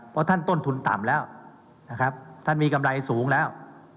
เพราะท่านต้นทุนต่ำแล้วนะครับท่านมีกำไรสูงแล้ว